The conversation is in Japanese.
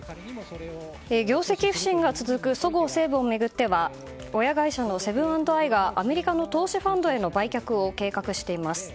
業績不振が続くそごう・西武を巡っては親会社のセブン＆アイがアメリカの投資ファンドへの売却を計画しています。